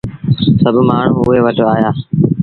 سڀ مآڻهوٚ اُئي وٽ آيآ۔